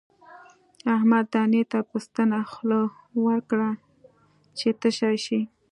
احمد دانې ته په ستنه خوله ورکړه چې تشه شي.